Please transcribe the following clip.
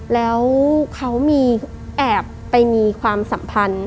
แล้วเขามีแอบไปมีความสัมพันธ์